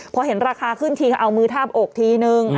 พอเห็นราคาขึ้นทีก็เอามือทาบอกทีนึง